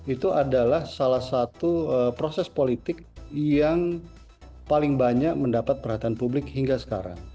itu adalah salah satu proses politik yang paling banyak mendapat perhatian publik hingga sekarang